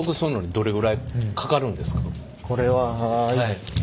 これは。